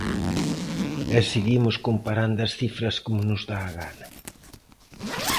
E seguimos comparando as cifras como nos dá a gana.